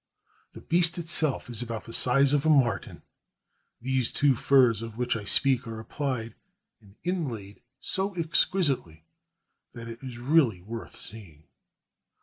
The beast itself is about the size of a marten. These two furs of which I speak are applied and inlaid so exqui sitely that it is really worth seeing.